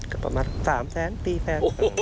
ก็ประมาณ๓แทน๔แทน